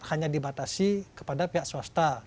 hanya dibatasi kepada pihak swasta